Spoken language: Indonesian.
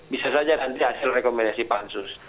bisa saja nanti hasil rekomendasi pansus